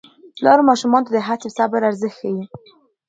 پلار ماشومانو ته د هڅې او صبر ارزښت ښيي